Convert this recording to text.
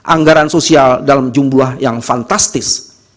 anggaran sosial dalam jumlah yang fantastis